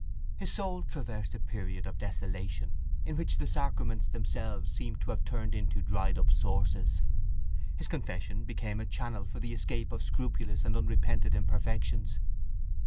His soul traversed a period of desolation in which the sacraments themselves seemed to have turned into dried up sources. His confession became a channel for the escape of scrupulous and unrepented imperfections.